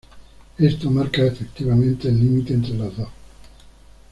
Esto marca efectivamente el límite entre las dos.